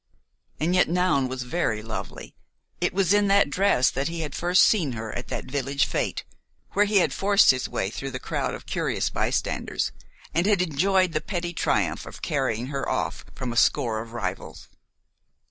And yet Noun was very lovely, it was in that dress that he had first seen her at that village fête where he had forced his way through the crowd of curious bystanders, and had enjoyed the petty triumph of carrying her off from a score of rivals.